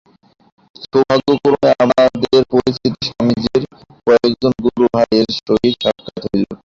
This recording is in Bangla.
সৌভাগ্যক্রমে আমাদের পরিচিত স্বামীজীর কয়েকজন গুরুভাই-এর সহিত সাক্ষাৎ হইল।